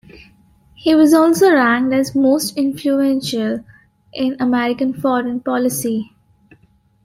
He was also ranked as most influential in American foreign policy.